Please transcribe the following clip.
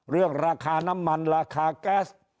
เรื่องราคาน้ำมันราคาแก๊ส